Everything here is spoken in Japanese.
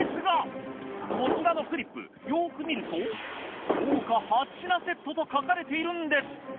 こちらのフリップよく見ると豪華８品セットと書かれているんです。